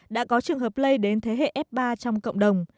đã có trường hợp lây đến thế hệ f ba trong cộng đồng